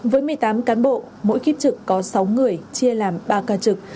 với một mươi tám cán bộ mỗi kiếp trực có sáu người chia làm ba ca trực